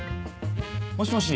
もしもし。